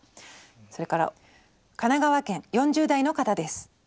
それから神奈川県４０代の方です。